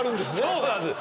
そうなんです